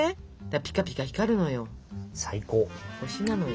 ピカピカ光るのよ。